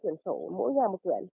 ba mươi tuyển sổ mỗi nhà một tuyển